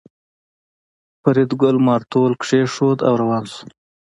فریدګل مارتول کېښود او روان شو